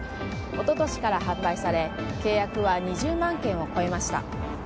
一昨年から販売され契約は２０万件を超えました。